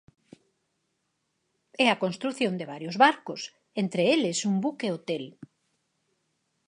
E a construción de varios barcos, entre eles un buque hotel.